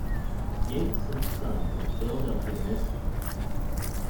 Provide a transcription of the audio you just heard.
Yates and Sons of Philadelphia, Miss.